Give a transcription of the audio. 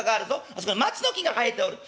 あそこに松の木が生えておる。